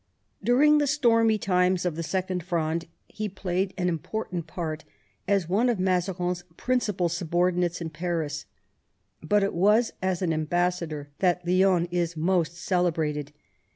During the stormy times of the Second Fronde he played an important part as one of Mazarin's principal subordinates in Paris. But it was as an ambassador that Lionne is most celebrated.